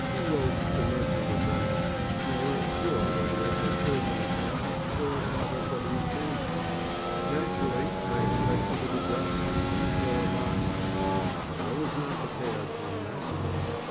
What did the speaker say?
who wrote "The Merchant of Venice," you weren't sure whether it was Irvin Cobb or Robert W. Chambers. Naturally, I expected a disaster when the fall marks came, but I was not prepared for a massacre.